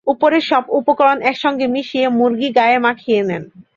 উপরের সব উপকরণ এক সঙ্গে মিশিয়ে মুরগী গায়ে মাখিয়ে নেয়।